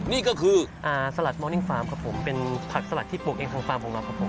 นี่ก็คือสลัดมอนิ่งฟาร์มครับผมเป็นผักสลัดที่ปลูกเองทางฟาร์มของเราครับผม